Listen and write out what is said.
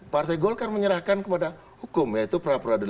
partai golkar menyerahkan kepada hukum yaitu peradilan itu sendiri